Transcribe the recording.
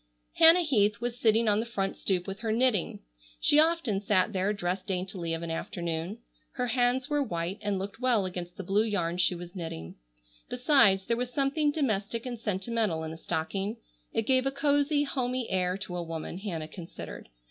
Hannah Heath was sitting on the front stoop with her knitting. She often sat there dressed daintily of an afternoon. Her hands were white and looked well against the blue yarn she was knitting. Besides there was something domestic and sentimental in a stocking. It gave a cosy, homey, air to a woman, Hannah considered.